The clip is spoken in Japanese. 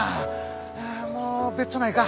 あもうべっちょないか？